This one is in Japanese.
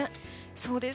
そうです。